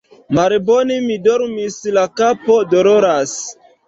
Malbone mi dormis, la kapo doloras.